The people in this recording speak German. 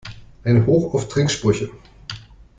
Ein Hoch auf Trinksprüche!